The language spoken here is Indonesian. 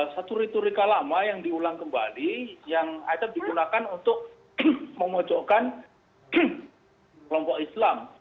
satu retorika lama yang diulang kembali yang akan digunakan untuk memocokkan kelompok islam